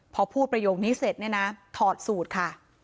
พอพูดประโยคนี้เสร็จเนี่ยนะถอดสูตรค่ะ